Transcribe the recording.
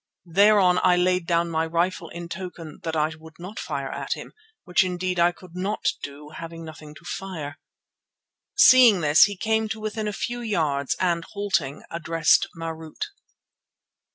Thereon I laid down my rifle in token that I would not fire at him, which indeed I could not do having nothing to fire. Seeing this he came to within a few yards and halting, addressed Marût.